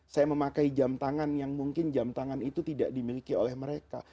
saya memakai jam tangan yang mungkin jam tangan itu tidak dimiliki oleh mereka